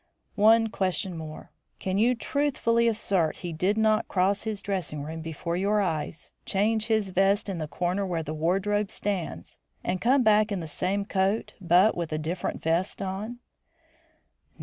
"One question more. Can you truthfully assert he did not cross his dressing room before your eyes, change his vest in the corner where the wardrobe stands, and come back in the same coat, but with a different vest on?" "No.